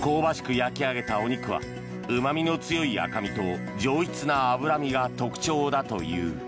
焼き上げたお肉はうま味の強い赤身と上質な脂身が特徴だという。